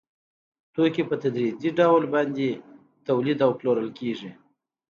توکي په تدریجي ډول تولید او پلورل کېږي